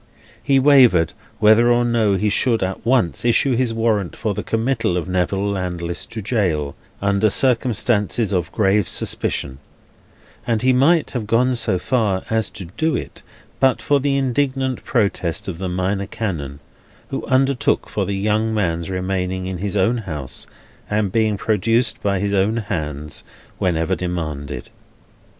He wavered whether or no he should at once issue his warrant for the committal of Neville Landless to jail, under circumstances of grave suspicion; and he might have gone so far as to do it but for the indignant protest of the Minor Canon: who undertook for the young man's remaining in his own house, and being produced by his own hands, whenever demanded.